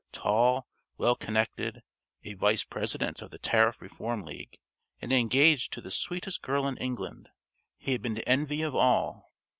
Tall, well connected, a vice president of the Tariff Reform League, and engaged to the sweetest girl in England, he had been the envy of all.